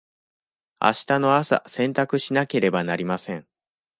あしたの朝洗濯しなければなりません。